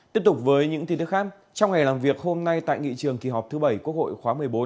tiếp tục với những tin tức khác trong ngày làm việc hôm nay tại nghị trường kỳ họp thứ bảy quốc hội khóa một mươi bốn